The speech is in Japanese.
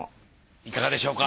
いかがでしょうか？